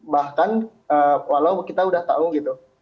bahkan walau kita udah tahu gitu